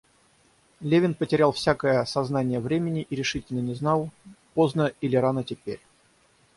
Левин потерял всякое сознание времени и решительно не знал, поздно или рано теперь.